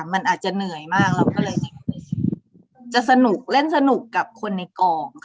มันอาจจะเหนื่อยมากเราก็เลยจะสนุกเล่นสนุกกับคนในกองค่ะ